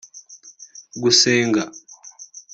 gusenga